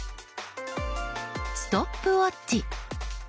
ストップウォッチ。